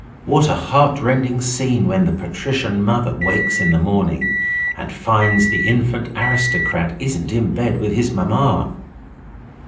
'What a heart rending scene when the patrician mother wakes in the morning and finds the infant aristocrat isn't in bed with his mamma.